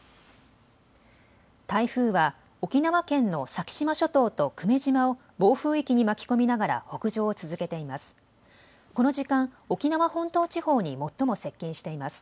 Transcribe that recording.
台風は沖縄県の先島諸島と久米島を暴風域に巻き込みながら北上を続けています。